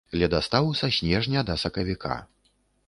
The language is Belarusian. Ледастаў са снежня да сакавіка.